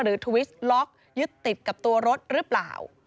ทวิสล็อกยึดติดกับตัวรถหรือเปล่า